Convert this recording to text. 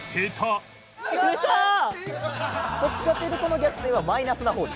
どっちかっていうとこの逆転はマイナスな方です。